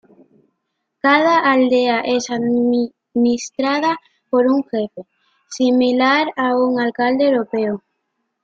Cada aldea es administrada por un jefe, similar a un alcalde europeo.